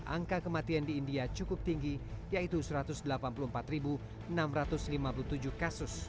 angka kematian di india cukup tinggi yaitu satu ratus delapan puluh empat enam ratus lima puluh tujuh kasus